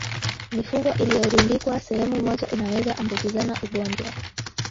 Mifugo iliyorundikwa sehemu moja inaweza ambukizana ugonjwa